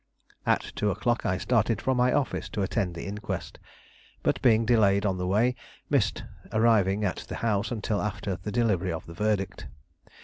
At two o'clock I started from my office to attend the inquest; but, being delayed on the way, missed arriving at the house until after the delivery of the verdict.